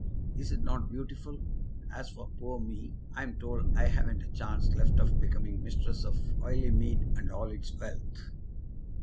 Is it not beautiful? As for poor me, I'm told I haven't a chance left of becoming mistress of Oileymead and all its wealth."